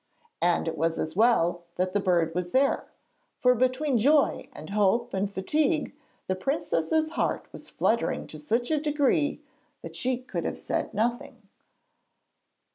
And it was as well that the bird was there, for between joy and hope and fatigue the princess's heart was fluttering to such a degree that she could have said nothing.